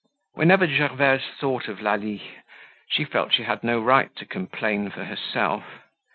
Whenever Gervaise thought of Lalie, she felt she had no right to complain for herself.